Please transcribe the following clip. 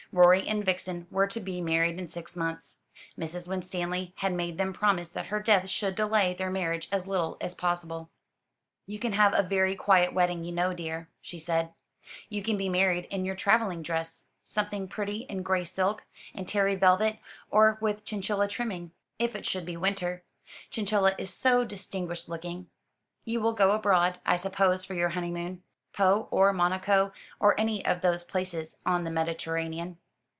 Rorie and Vixen were to be married in six months. Mrs. Winstanley had made them promise that her death should delay their marriage as little as possible. "You can have a very quiet wedding, you know, dear," she said. "You can be married in your travelling dress something pretty in gray silk and terry velvet, or with chinchilla trimming, if it should be winter. Chinchilla is so distinguished looking. You will go abroad, I suppose, for your honeymoon. Pau, or Monaco, or any of those places on the Mediterranean."